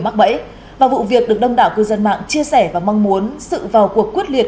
của đông đảo cư dân mạng chia sẻ và mong muốn sự vào cuộc quyết liệt